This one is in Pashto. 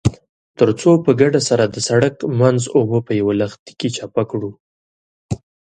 ترڅو په ګډه د سړک منځ اوبه په يوه لښتي کې چپه کړو.